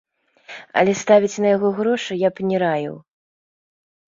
Але ставіць на яго грошы я б не раіў.